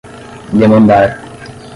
demandar